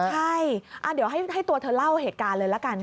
ใช่เดี๋ยวให้ตัวเธอเล่าเหตุการณ์เลยละกัน